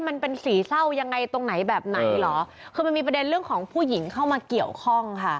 มันเป็นสีเศร้ายังไงตรงไหนแบบไหนเหรอคือมันมีประเด็นเรื่องของผู้หญิงเข้ามาเกี่ยวข้องค่ะ